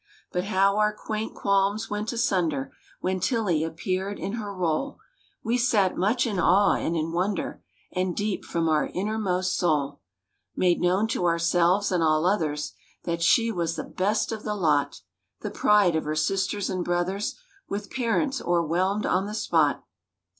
But how our quaint qualms went asunder When Tillie appeared in her role; We sat much in awe and in wonder And deep from our innermost soul Made known to ourselves and all others That she was the best of the lot— The pride of her sisters and brothers With parents o'erwhelmed on the spot.